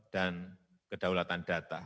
dan kedaulatan data